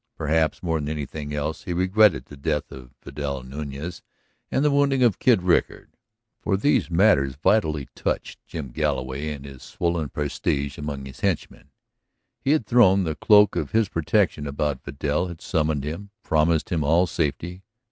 Perhaps more than anything else he regretted the death of Vidal Nuñez and the wounding of Kid Rickard. For these matters vitally touched Jim Galloway and his swollen prestige among his henchmen; he had thrown the cloak of his protection about Vidal, had summoned him, promised him all safety